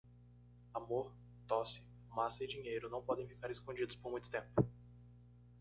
Amor, tosse, fumaça e dinheiro não podem ficar escondidos por muito tempo.